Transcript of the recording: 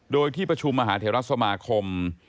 โดยที่ประชุมมหาเทราสมาคม